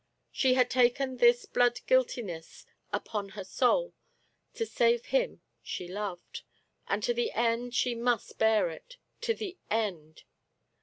She had taken this blood guiltiness upon her soul to save him she loved — and to the end she must bear it — to the end